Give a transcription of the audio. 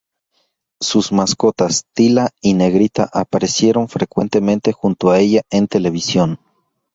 Sus mascotas, Tila y Negrita, aparecieron frecuentemente junto a ella en televisión.